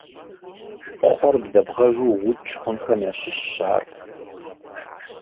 Кхъуэр блэбгъэжу уукӏ хъунухэм ящыщщ ар.